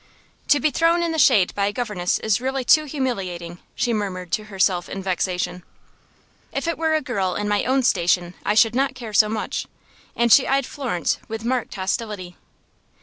"To be thrown in the shade by a governess is really too humiliating!" she murmured to herself in vexation. "If it were a girl in my own station I should not care so much," and she eyed Florence with marked hostility.